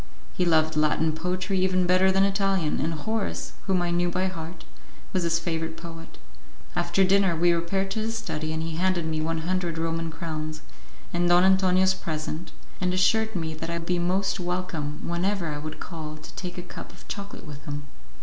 He loved Latin poetry even better than Italian, and Horace, whom I knew by heart, was his favourite poet. After dinner, we repaired to his study, and he handed me one hundred Roman crowns, and Don Antonio's present, and assured me that I would be most welcome whenever I would call to take a cup of chocolate with him.